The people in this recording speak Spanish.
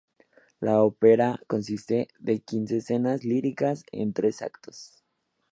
La ópera consiste de quince escenas líricas en tres actos.